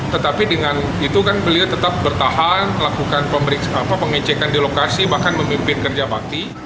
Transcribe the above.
tetapi dengan itu kan beliau tetap bertahan lakukan pengecekan di lokasi bahkan memimpin kerja bakti